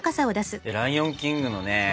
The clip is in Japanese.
「ライオン・キング」のね